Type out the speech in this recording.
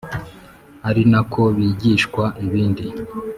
ari na ko bigishwa ibindi